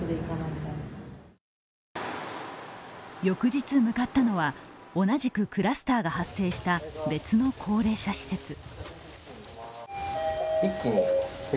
翌日向かったのは同じくクラスターが発生した別の高齢者施設。